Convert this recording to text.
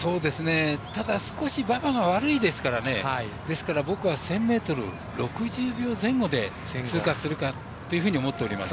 ただ少し馬場が悪いですからですから僕は１０００ｍ６０秒前後で通過するかっていうふうに思っております。